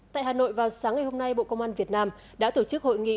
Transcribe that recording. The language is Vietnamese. tại hà nội vào sáng ngày hôm nay bộ công an việt nam đã tổ chức hội nghị